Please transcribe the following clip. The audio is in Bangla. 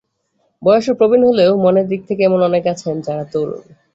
বয়সে প্রবীণ হলেও মনের দিক থেকে এমন অনেকে আছেন যাঁরা তরুণ।